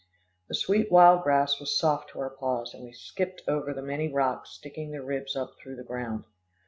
The sweet wild grass was soft to our paws, and we skipped over the many rocks sticking their ribs up through the ground.